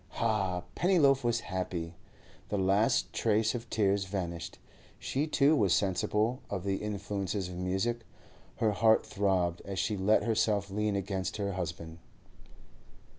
Ha! Pennyloaf was happy! The last trace of tears vanished. She too was sensible of the influences of music; her heart throbbed as she let herself lean against her husband.